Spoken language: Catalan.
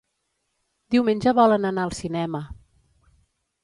Diumenge volen anar al cinema.